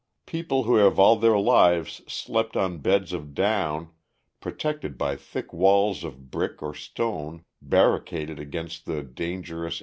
"People who have all their lives slept on beds of down, protected by thick walls of brick or stone, barricaded against the dangerous